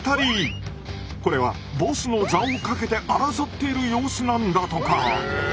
これはボスの座をかけて争っている様子なんだとか。